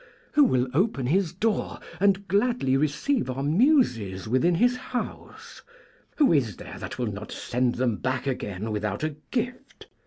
'Who will open his door and gladly receive our Muses within his house, who is there that will not send them back again without a gift?